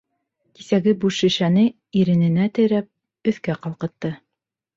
Кисәге буш шешәне ирененә терәп, өҫкә ҡалҡытты.